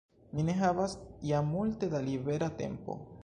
Vi ne havas ja multe da libera tempo.